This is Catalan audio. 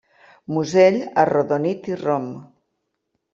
Musell arrodonit i rom.